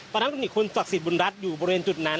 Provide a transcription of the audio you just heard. ตอนนั้นก็มีคุณศักดิ์สิทธิบุญรัฐอยู่บริเวณจุดนั้น